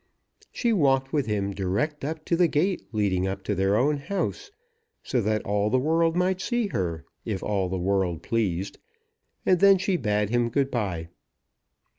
She walked with him direct up to the gate leading up to their own house, so that all the world might see her, if all the world pleased; and then she bade him good bye.